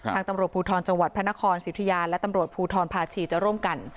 ทางตำรวจภูทรจังหวัดพระนครสิทธิยาและตำรวจภูทรภาชีจะร่วมกัน